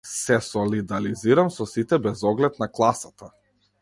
Се солидализирам со сите без оглед на класата.